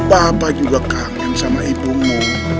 bapak juga kangen sama ibu mu